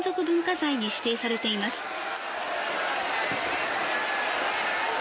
文化財に指定されています。